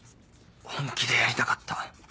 本気でやりたかった。